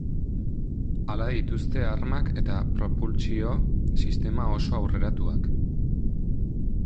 Hala dituzte arma eta propultsio sistema oso aurreratuak.